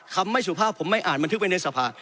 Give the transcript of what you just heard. คำไม่สุภาพผมไม่อ่านบันทึกไว้ในสภา